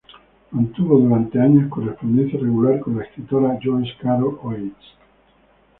Mantuvo durante años correspondencia regular con la escritora Joyce Carol Oates.